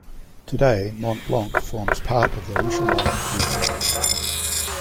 Today, Montblanc forms part of the Richemont group.